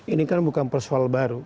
ini kan bukan persoalan baru